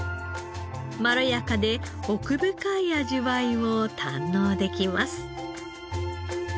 まろやかで奥深い味わいを堪能できます。